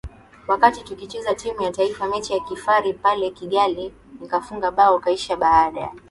wakati tukicheza timu ya taifa mechi ya kirafiki pale Kigali nikafunga bao kisha baada